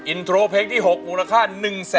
อินโทรเพลงที่๖มูลค่า๑๐๐๐๐๐บาทมาเลยครับ